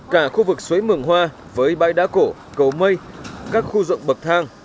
cả khu vực suối mường hoa với bãi đá cổ cầu mây các khu rộng bậc thang